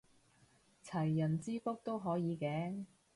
齊人之福都可以嘅